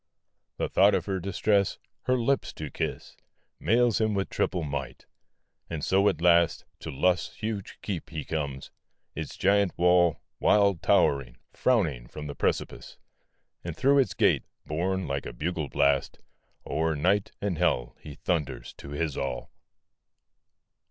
The thought of her distress, her lips to kiss, Mails him with triple might; and so at last To Lust's huge keep he comes; its giant wall, Wild towering, frowning from the precipice; And through its gate, borne like a bugle blast, O'er night and hell he thunders to his all.